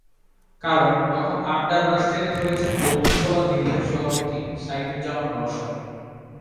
কারণ, তখন আড্ডার রাশ টেনে ধরেছেন বন্ধুসভার নির্বাহী সভাপতি সাইদুজ্জামান রওশন।